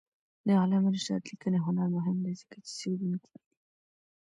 د علامه رشاد لیکنی هنر مهم دی ځکه چې څېړونکی دی.